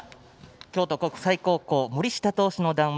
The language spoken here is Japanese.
京都国際森下投手の談話